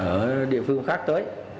ở địa phương khác tới